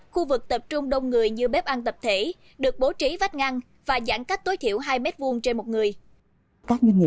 khu vực tập trung đông người như bếp ăn tập thể được bố trí vách ngăn và giãn cách tối thiểu hai m hai trên một người